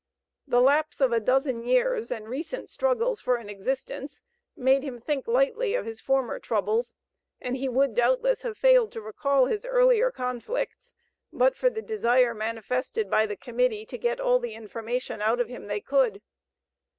The lapse of a dozen years and recent struggles for an existence, made him think lightly of his former troubles and he would, doubtless, have failed to recall his earlier conflicts but for the desire manifested by the Committee to get all the information out of him they could.